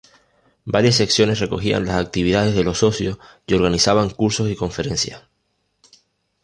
Varias secciones recogían las actividades de los socios y organizaban cursos y conferencias.